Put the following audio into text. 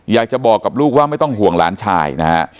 อยากจะบอกกับลูกว่าไม่ต้องห่วงหลานชายนะฮะ